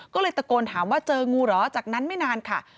ก็เลยตะโกนถามว่าเจองูเหรอจากนั้นไม่นานค่ะ